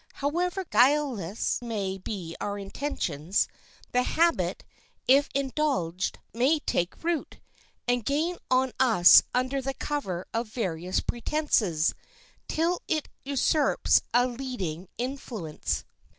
However guileless may be our intentions, the habit, if indulged, may take root, and gain on us under the cover of various pretenses, till it usurps a leading influence.